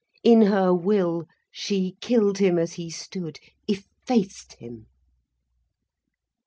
In her will she killed him as he stood, effaced him.